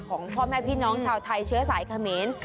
ของพ่อแม่พี่น้องชาวไทยเชื้อสายเขมร